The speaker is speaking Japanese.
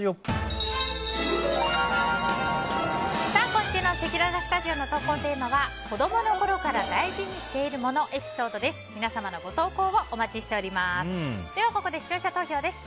今週のせきららスタジオの投稿テーマは子供の頃から大事にしている物エピソードです。